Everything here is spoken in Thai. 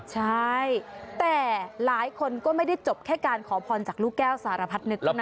ใช่แต่หลายคนก็ไม่ได้จบแค่การขอพรจากลูกแก้วสารพัดนึกเท่านั้น